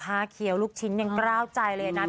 ผ้าเคี้ยวลูกชิ้นยังป้าวใจเลยนะ